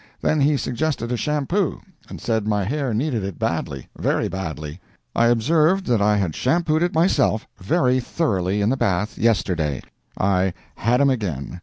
Then he suggested a shampoo, and said my hair needed it badly, very badly. I observed that I had shampooed it myself very thoroughly in the bath yesterday. I "had him" again.